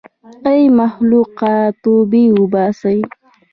ای مخلوقه توبې وباسئ.